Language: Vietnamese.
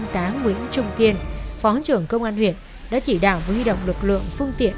nguyễn trung kiên phó hướng trưởng công an huyện đã chỉ đạo với huy động lực lượng phương tiện